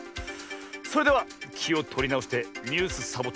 それではきをとりなおして「ニュースサボ１０」